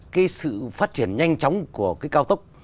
cái sự phát triển nhanh chóng của cái cao tốc